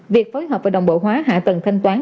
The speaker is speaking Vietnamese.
việc phối hợp và đồng bộ hóa hạ tầng thanh toán